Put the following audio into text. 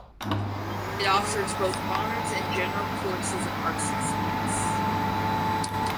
It offers both honours and general courses in arts and science.